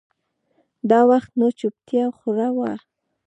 دا وخت نو چوپتيا خوره وه.